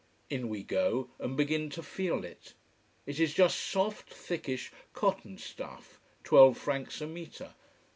In we go, and begin to feel it. It is just soft, thickish cotton stuff twelve francs a metre.